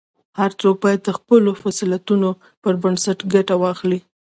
هر څوک باید د خپلو فضیلتونو پر بنسټ ګټه واخلي.